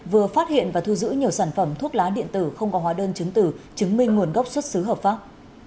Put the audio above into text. vừa phát hiện và thu giữ nhiều sản phẩm thuốc lá điện tử không có hóa đơn chứng tử chứng minh nguồn gốc xuất xứ hợp pháp